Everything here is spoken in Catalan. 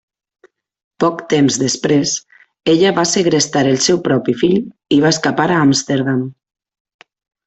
Poc temps després, ella va segrestar al seu propi fill i va escapar a Amsterdam.